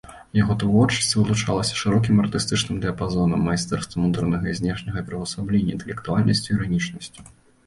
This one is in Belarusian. Яго творчасць вылучалася шырокім артыстычным дыяпазонам, майстэрствам унутранага і знешняга пераўвасаблення, інтэлектуальнасцю, іранічнасцю.